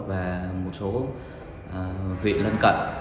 và một số huyện lân cận